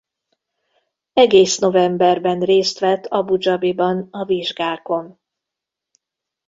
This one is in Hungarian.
Egész novemberben részt vett Abu-Dzabiban a vizsgákon.